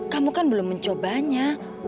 kamu kan belum mencobanya